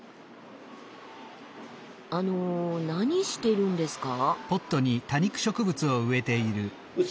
あの何してるんですか？